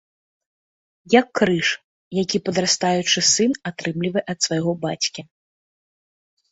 Як крыж, які падрастаючы сын атрымлівае ад свайго бацькі.